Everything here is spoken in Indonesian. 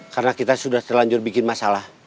karena kita sudah terlanjur bikin masalah